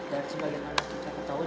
dan sebagai anak kita ketahui